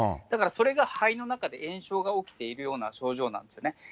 だからそれが肺の中で炎症が起きているような症状なんですよね。